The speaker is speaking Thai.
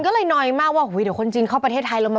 ก็เลยนอยมากว่าเดี๋ยวคนจีนเข้าประเทศไทยลงมา